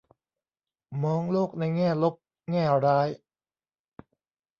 มองโลกในแง่ลบแง่ร้าย